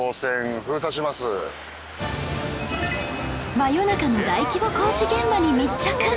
真夜中の大規模工事現場に密着！